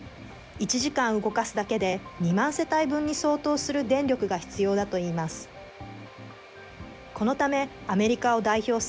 １時間動かすだけで、２万世帯分に相当する電力が必要だといいます。